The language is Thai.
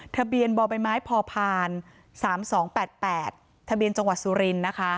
ทะเบียนบ่อใบไม้พอพาน๓๒๘๘ทะเบียนจังหวัดสุรินทร์นะคะ